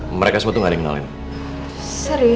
susah banget buat dia percaya